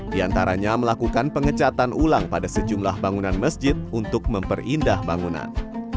di antaranya melakukan pengecatan ulang pada sejumlah bangunan masjid untuk memperindah bangunan